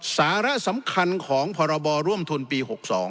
สาระสำคัญของพรบร่วมทุนปี๖๒